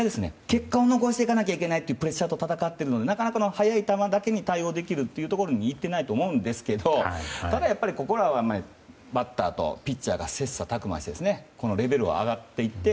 結果を残していかなきゃいけないというプレッシャーと戦っているのでなかなか速い球だけに対応できるところにいってないと思うんですけどただやっぱりここらはバッターとピッチャーが切磋琢磨してレベルを上げていって